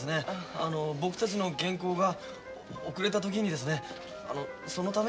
あの僕たちの原稿が遅れた時にですねあのそのために。